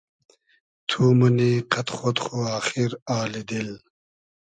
تو مونی قئد خۉد خو آخیر آلی دیل